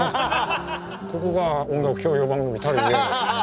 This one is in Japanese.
ここが音楽教養番組たるゆえんです。